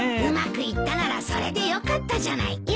うまくいったならそれでよかったじゃない。